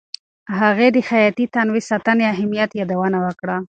هغې د حیاتي تنوع ساتنې اهمیت یادونه وکړه.